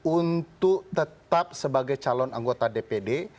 untuk tetap sebagai calon anggota dpd